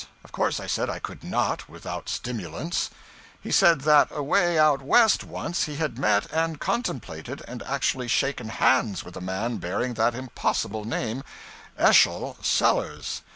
Of course I said I could not, without stimulants. He said that away out West, once, he had met, and contemplated, and actually shaken hands with a man bearing that impossible name 'Eschol Sellers.'